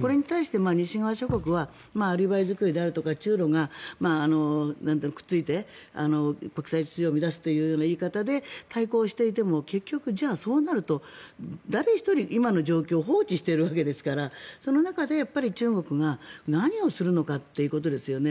これに対して西側諸国はアリバイ作りであるとか中ロがくっついて国際秩序を乱すというような言い方で対抗していても結局、じゃあそうなると誰一人、今の状況を放置しているわけですからその中で中国が何をするのかということですよね。